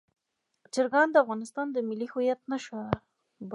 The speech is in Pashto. چرګان د افغانستان د ملي هویت نښه ده.